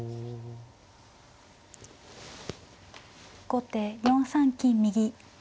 後手４三金右。